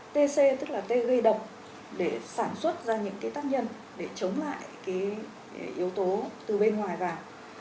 tc tức là t gây độc để sản xuất ra những tác nhân để chống lại yếu tố từ bên ngoài vào